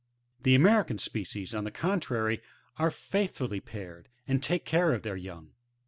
The American species, on the contrary, are faithfully paired, and take care of their young.